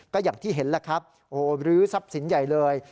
ก็อย่างที่เห็นแหละครับโอ้รื้อทรัพย์สินใหญ่เลย